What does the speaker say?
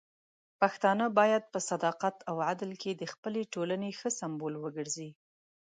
پښتانه بايد په صداقت او عدل کې د خپلې ټولنې ښه سمبول وګرځي.